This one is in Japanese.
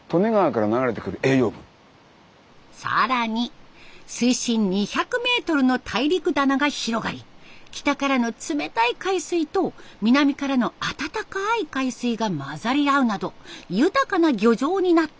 更に水深２００メートルの大陸棚が広がり北からの冷たい海水と南からの暖かい海水が混ざり合うなど豊かな漁場になっています。